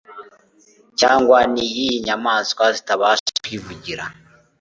cyangwa n'iy'inyamaswa zitabasha kwivugira